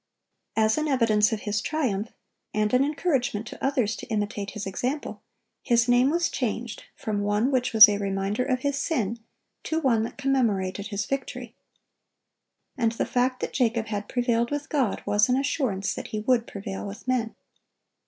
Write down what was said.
As an evidence of his triumph, and an encouragement to others to imitate his example, his name was changed from one which was a reminder of his sin, to one that commemorated his victory. And the fact that Jacob had prevailed with God was an assurance that he would prevail with men.